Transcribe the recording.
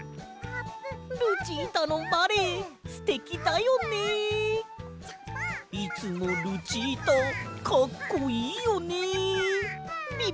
「ルチータのバレエすてきだよね！」「いつもルチータかっこいいよね！」。